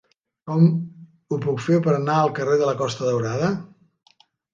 Com ho puc fer per anar al carrer de la Costa Daurada?